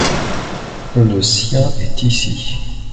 le sien est ici.